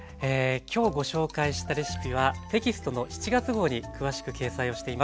今日ご紹介したレシピはテキストの７月号に詳しく掲載をしています。